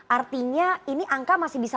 artinya ini angka masih bisa